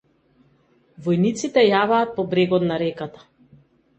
Војниците јаваат по брегот на реката.